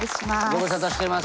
ご無沙汰してます。